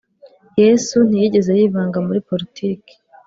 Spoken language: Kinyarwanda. Yesu ntiyigeze yivanga muri politiki